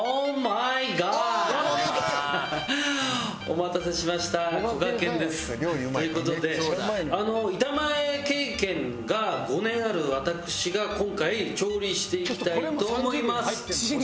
お待たせしましたこがけんです。という事で板前経験が５年ある私が今回調理していきたいと思います。